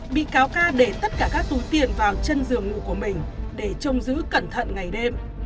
bị cáo ca để tất cả các túi tiền vào chân giường ngủ của mình để trông giữ cẩn thận ngày đêm